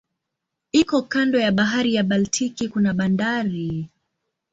Iko kando ya bahari ya Baltiki kuna bandari.